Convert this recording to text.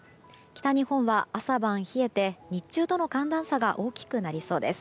北日本は朝晩冷えて日中との寒暖差が大きくなりそうです。